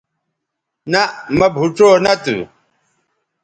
نہء مہ بھوڇؤ نہ تھو